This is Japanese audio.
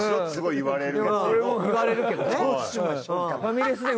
言われるけどねうん。